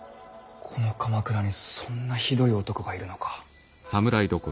この鎌倉にそんなひどい男がいるのか。